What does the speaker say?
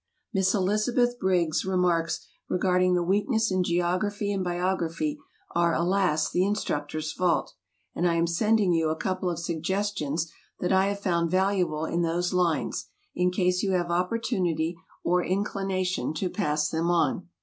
Miss Elizabeth Briggs's remarks regarding the weakness in geography and biography are, alas, the instructors' fault, and I am sending you a couple of suggestions that I have found valuable in those lines, in case you have opportunity or inclination to pass them on.